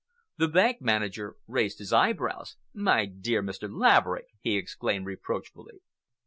The bank manager raised his eyebrows. "My dear Mr. Laverick!" he exclaimed reproachfully.